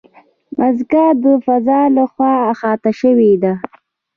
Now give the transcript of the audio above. مځکه د فضا له خوا احاطه شوې ده.